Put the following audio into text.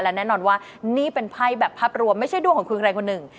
และแน่นอนว่านี่เป็นไพ่แบบภาพรวมไม่ใช่ดวงของคุณใครคนหนึ่ง